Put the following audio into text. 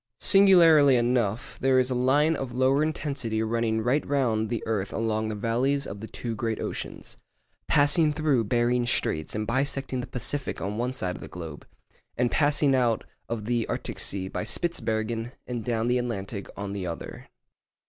Singularly enough, there is a line of lower intensity running right round the earth along the valleys of the two great oceans, 'passing through Behring's Straits and bisecting the Pacific, on one side of the globe, and passing out of the Arctic Sea by Spitsbergen and down the Atlantic, on the other.